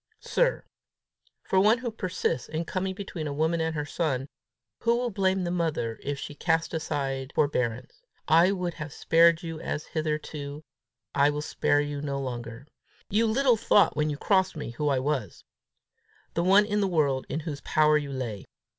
"Sir, For one who persists in coming between a woman and her son, who will blame the mother if she cast aside forbearance! I would have spared you as hitherto; I will spare you no longer. You little thought when you crossed me who I was the one in the world in whose power you lay!